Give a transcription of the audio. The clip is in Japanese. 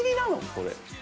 これ。